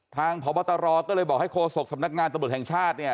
ทางพบทรก็เลยบอกให้โฆษกสำนักงานตระบุทธแห่งชาติ